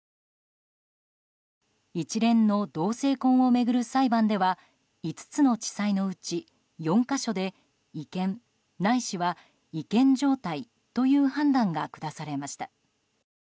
一連の同性婚を巡る裁判では５つの地裁のうち４か所で違憲ないしは違憲状態という判断が下されました。